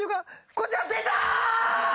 こちら出たー！